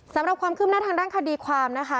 สำหรับความคืบหน้าทางด้านคดีความนะคะ